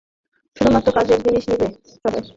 শুধুমাত্র কাজের জিনিস নিবে, সবাই।